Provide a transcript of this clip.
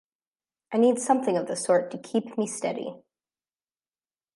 I need something of the sort to keep me steady.